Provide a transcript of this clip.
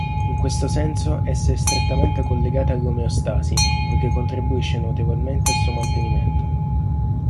In questo senso, essa è strettamente collegata all'omeostasi, poiché contribuisce notevolmente al suo mantenimento.